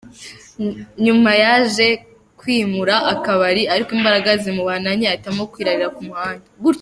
Nyuma yaje kwimura akabari ariko imbaraga zimubana nke ahitamo kwirarira ku muhanda.